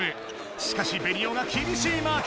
しかしベニオがきびしいマーク！